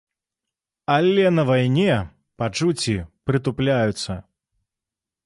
Але на вайне пачуцці прытупляюцца.